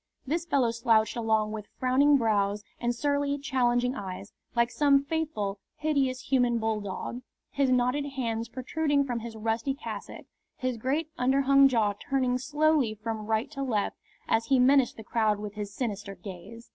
This fellow slouched along with frowning brows and surly, challenging eyes, like some faithful, hideous human bulldog, his knotted hands protruding from his rusty cassock, his great underhung jaw turning slowly from right to left as he menaced the crowd with his sinister gaze.